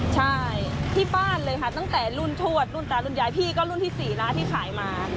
ใช่ที่บ้านเลยค่ะตั้งแต่รุ่นทวดรุ่นตารุ่นยายพี่ก็รุ่นที่๔แล้วที่ขายมา